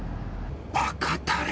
バカタレ！